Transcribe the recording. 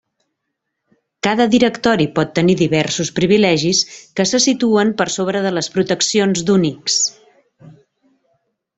Cada directori pot tenir diversos privilegis que se situen per sobre de les proteccions d'Unix.